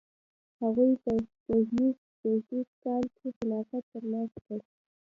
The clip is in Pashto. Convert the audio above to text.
هغوی په سپوږمیز زیږدیز کال کې خلافت ترلاسه کړ.